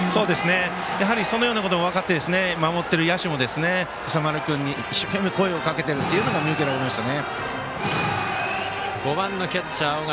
やはりそのようなことも分かって守っている野手も、今朝丸君に一生懸命、声をかけているのが５番のキャッチャー、尾形。